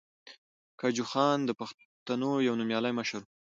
کجوخان د پښتنو یو نومیالی مشر ؤ.